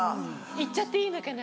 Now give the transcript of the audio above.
言っちゃっていいのかな？